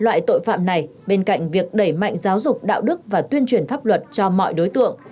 loại tội phạm này bên cạnh việc đẩy mạnh giáo dục đạo đức và tuyên truyền pháp luật cho mọi đối tượng